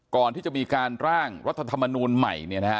ก่อนที่จะมีการร่างรัฐธรรมนูลใหม่